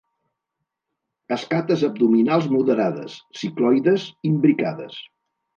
Escates abdominals moderades, cicloides, imbricades.